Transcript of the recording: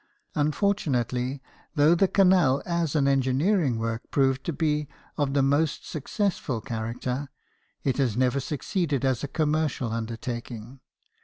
Unfor tunately, though the canal as an engineering work proved to be of the most successful cha racter, it has never succeeded as a commercial undertaking.